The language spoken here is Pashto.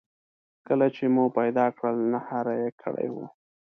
کله چې مو پیدا کړل نهاري یې کړې وه.